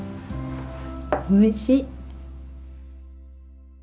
おいしい。